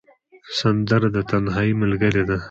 سندره د تنهايي ملګرې ده